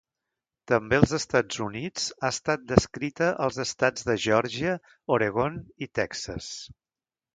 També als Estats Units ha estat descrita als estats de Geòrgia, Oregon i Texas.